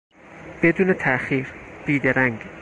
بدون تاخیر، بیدرنگ